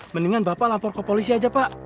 mendingan bapak lapor ke polisi aja pak